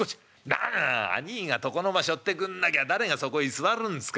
なあ兄ぃが床の間しょってくんなきゃ誰がそこに座るんすか。